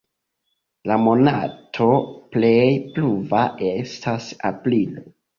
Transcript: La monato plej pluva estas aprilo.